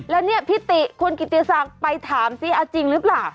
แล้วนี่พี่ติคุณกิติสังไปถามสิเอาจริงหรือเปล่า